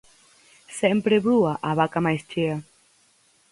Sempre brúa a vaca máis chea.